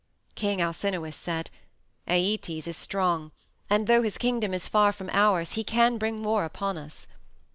King Alcinous said: "Æetes is strong, and although his kingdom is far from ours, he can bring war upon us."